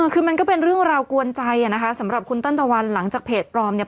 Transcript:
คือมันก็เป็นเรื่องราวกวนใจอ่ะนะคะสำหรับคุณเติ้ลตะวันหลังจากเพจปลอมเนี่ย